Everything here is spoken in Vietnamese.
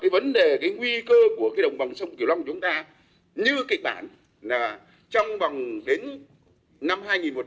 vấn đề nguy cơ của đồng bằng sông kiều long của chúng ta như kịch bản là trong vòng đến năm hai nghìn một trăm linh